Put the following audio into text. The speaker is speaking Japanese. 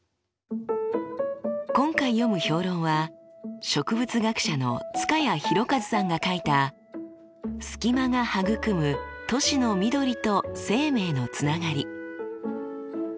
今回読む評論は植物学者の塚谷裕一さんが書いた「スキマがはぐくむ都市の緑と生命のつながり」。